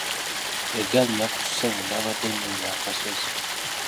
Eggaali yakutuse bwe nnabadde nninnya akasozi.